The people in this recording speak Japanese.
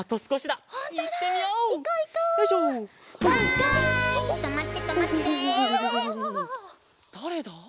だれだ？